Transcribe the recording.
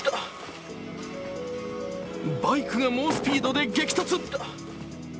バイクがもうスピードで激突。